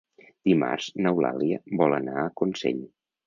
Dimarts n'Eulàlia vol anar a Consell.